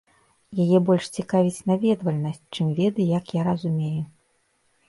Яе больш цікавіць наведвальнасць, чым веды, як я разумею.